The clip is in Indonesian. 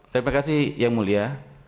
terima kasih yang mulia